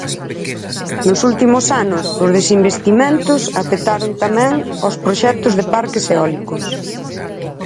Nos últimos anos, os desinvestimentos afectaron tamén aos proxectos de parques eólicos.